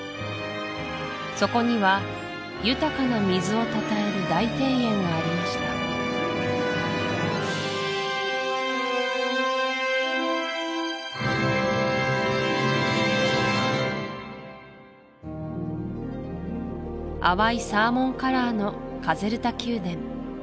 そこには豊かな水をたたえる大庭園がありました淡いサーモンカラーのカゼルタ宮殿